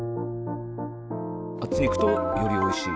あっちにいくとよりおいしい。